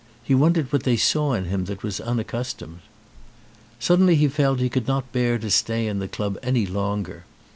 He wondered what they saw in him that was unaccustomed. Suddenly he felt he could not bear to stay in the club any longer.